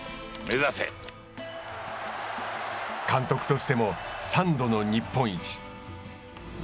監督としても３度の日本一。